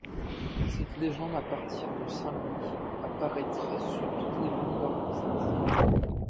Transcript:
Cette légende, à partir de Saint Louis, apparaîtra sur toutes les monnaies d'or françaises.